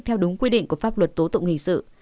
theo đúng quy định của pháp luật tố tụng hình sự